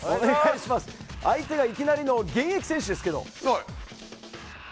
相手がいきなりの現役選手ですけど。